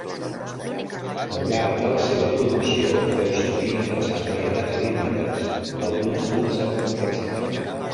Al llarg de la seva producció féu servir interessants varietats rítmiques, algunes d'una certa complexitat.